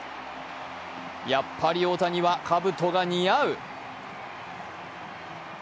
やっぱり大谷はかぶとが似合う。